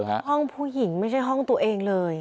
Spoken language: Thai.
ห้องผู้หญิงไม่ใช่ห้องตัวเองเลย